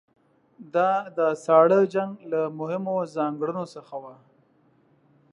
دا د ساړه جنګ له مهمو ځانګړنو څخه وه.